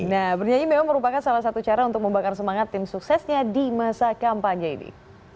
nah bernyanyi memang merupakan salah satu cara untuk membakar semangat tim suksesnya di masa kampanye ini